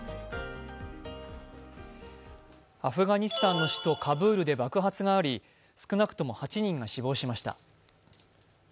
アフガニスタンの首都カブールで爆発があり少なくとも８人が死亡しました。